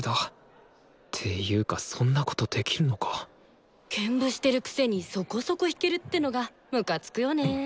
ていうかそんなことできるのか兼部してるくせにそこそこ弾けるってのがムカつくよね。